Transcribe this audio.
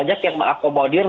banyak yang mengakomodir